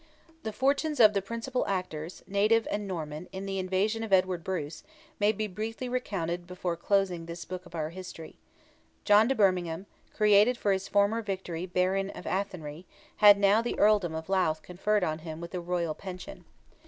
The fortunes of the principal actors, native and Norman, in the invasion of Edward Bruce, may be briefly recounted before closing this book of our history, John de Bermingham, created for his former victory Baron of Athenry, had now the Earldom of Louth conferred on him with a royal pension.